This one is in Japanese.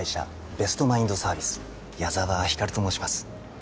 ベストマインドサービス矢沢光と申します